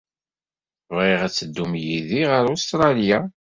Bɣiɣ ad teddum yid-i ɣer Ustṛalya.